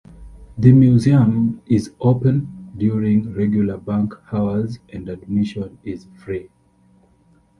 The museum is open during regular bank hours and admission is free.